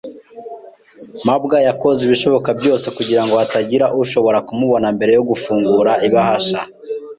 mabwa yakoze ibishoboka byose kugirango hatagira ushobora kumubona mbere yo gufungura ibahasha.